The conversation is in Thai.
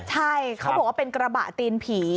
ใช่เขาบอกว่าเป็นกระบะตีนผี